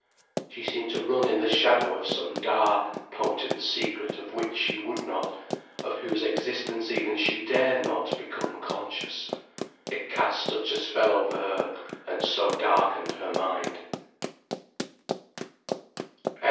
She seemed to run in the shadow of some dark, potent secret of which she would not, of whose existence even she dared not become conscious, it cast such a spell over her, and so darkened her mind.